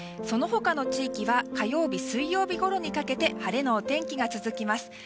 その他の地域は火曜日、水曜日ごろにかけて晴れのお天気が続きます。